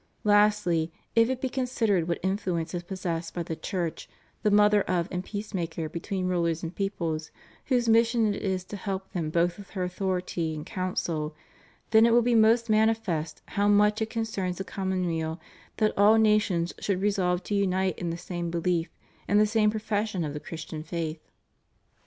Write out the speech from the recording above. Lastly, if it be considered what influence is possessed by the Church, the mother of and peacemaker between rulers and peoples, whose mission it is to help them both with her authority and counsel, then it will be most mani fest how much it concerns the commonweal that all nations should resolve to unite in the same behef and the same profession of the Christian faith.